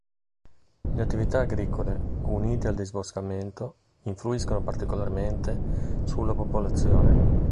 Le attività agricole, unite al disboscamento, influiscono particolarmente sulla popolazione.